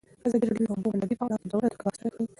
ازادي راډیو د د اوبو منابع په اړه په ژوره توګه بحثونه کړي.